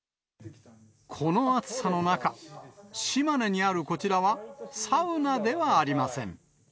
この暑さの中、島根にあるこちらは、サウナではありません。